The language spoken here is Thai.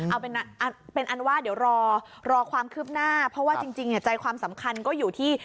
เอาเป็นอันว่าเดี๋ยวรอความคืบหน้าเพราะว่าจริงใจความสำคัญก็อยู่ที่